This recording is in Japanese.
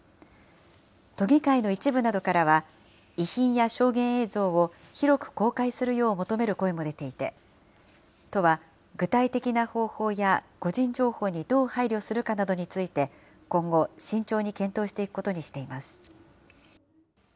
都議会の一部などからは、遺品や証言映像を広く公開するよう求める声も出ていて、都は具体的な方法や、個人情報にどう配慮するかなどについて、今後、慎重に検討していくことにしています。